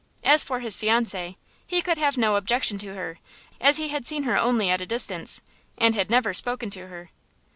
As for his fiancée, he could have no objection to her, as he had seen her only at a distance, and had never spoken to her.